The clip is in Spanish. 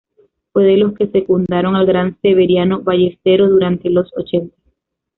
Fue de los que secundaron al gran Severiano Ballesteros durante los ochenta.